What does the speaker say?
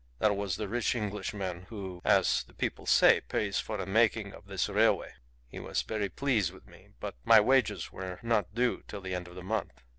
That was the rich Englishman who, as people say, pays for the making of this railway. He was very pleased with me. But my wages were not due till the end of the month."